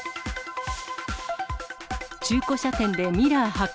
中古車店でミラー破壊。